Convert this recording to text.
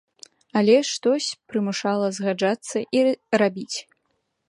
Але штось прымушала згаджацца і рабіць.